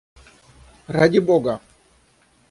Ради Бога!..